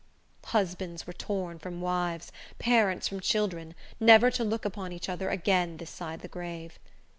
Husbands were torn from wives, parents from children, never to look upon each other again this side the grave.